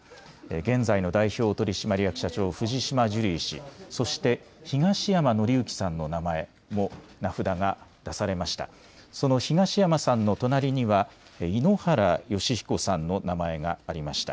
現在の代表取締役社長、藤島ジュリー氏、そして東山紀之さんの名前も名札が出されました。